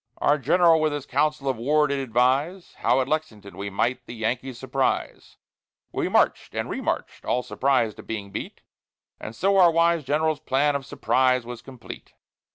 Our general with his council of war did advise How at Lexington we might the Yankees surprise; We march'd and re marched all surprised at being beat; And so our wise general's plan of surprise was complete.